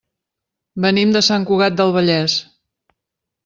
Venim de Sant Cugat del Vallès.